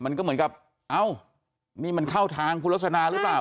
มันก็เหมือนกับเอ้านี่มันเข้าทางคุณลักษณะหรือเปล่า